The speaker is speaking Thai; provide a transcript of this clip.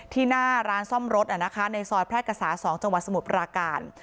หน้าร้านซ่อมรถในซอยแพร่กษา๒จังหวัดสมุทรปราการ